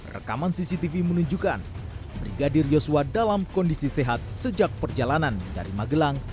rekaman cctv menunjukkan brigadir yosua dalam kondisi sehat sejak perjalanan dari magelang